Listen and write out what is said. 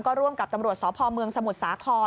ก็ร่วมกับตำรวจสพเมืองสมุทรสาคร